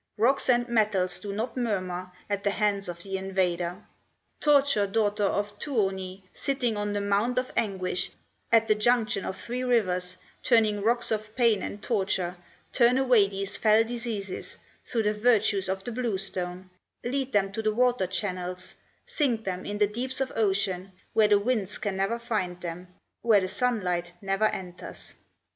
Rocks and metals do not murmur At the hands of the invader. "Torture daughter of Tuoni, Sitting on the mount of anguish, At the junction of three rivers, Turning rocks of pain and torture, Turn away these fell diseases Through the virtues of the blue stone; Lead them to the water channels, Sink them in the deeps of ocean, Where the winds can never find them, Where the sunlight never enters.